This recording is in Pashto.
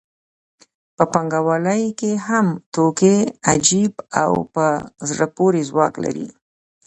په پانګوالۍ کې هم توکي عجیب او په زړه پورې ځواک لري